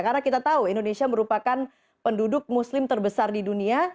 karena kita tahu indonesia merupakan penduduk muslim terbesar di dunia